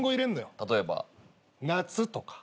例えば？夏とか。